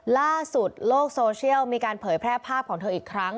ล่าสุดโลกโซเชียลมีการเผยแพร่ภาพของเธออีกครั้ง